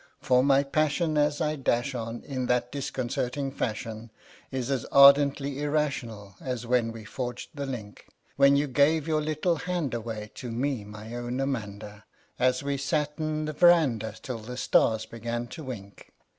For my passion as I dash on in that disconcerting fashion Is as ardently irrational as when we forged the link When you gave your little hand away to me, my own Amanda An we sat 'n the veranda till the stars began to wink.